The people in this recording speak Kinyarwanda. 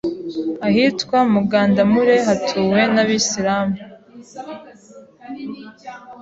ahitwa i Mugandamure Hatuwe n’ Abasilamu